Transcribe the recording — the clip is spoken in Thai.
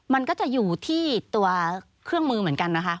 มันก็จะอยู่ที่ตัวเครื่องมือเหมือนกันนะคะ